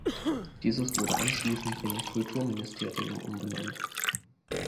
Dieses wurde anschließend in Kulturministerium umbenannt.